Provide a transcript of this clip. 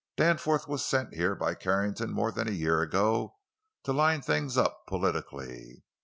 Danforth was sent here by Carrington more than a year ago to line things up, politically.